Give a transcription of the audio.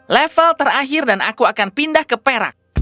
level terakhir dan aku akan pindah ke perak